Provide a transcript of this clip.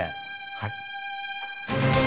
はい。